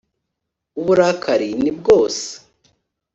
uburakari ni bwose